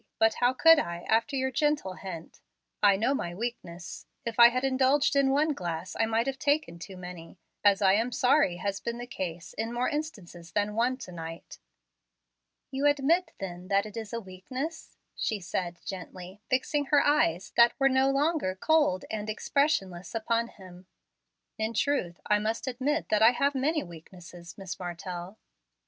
But how could I, after your gentle hint? I know my weakness. If I had indulged in one glass I might have taken too many, as I am sorry has been the case in more instances than one to night." "You admit, then, that it is a weakness?" she said gently fixing her eyes, that were no longer cold and expressionless, upon him. "In truth, I must admit that I have many weaknesses, Miss Martell."